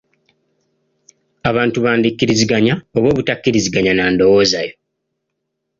Abantu bandi kkiriziganya oba obutakkiriziganya na ndowooza yo.